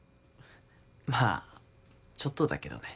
まあちょっとだけどね